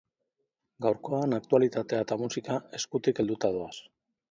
Gaurkoan aktualitatea eta musika eskutik helduta doaz.